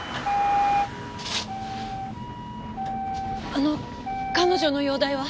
あの彼女の容体は。